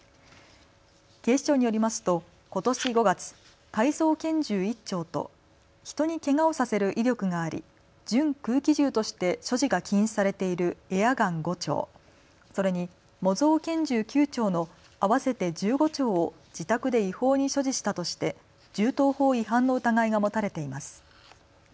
警視庁によりますとことし５月、改造拳銃１丁と人にけがをさせる威力があり準空気銃として所持が禁止されているエアガン５丁、それに模造拳銃９丁の合わせて１５丁を自宅で違法に所持したとして銃刀法違反の疑いが持たれています。